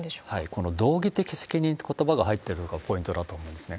この道義的責任ってことばが入ってるのがポイントだと思うんですね。